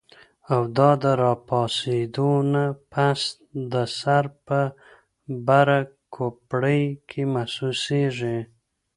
او دا د راپاسېدو نه پس د سر پۀ بره کوپړۍ کې محسوسيږي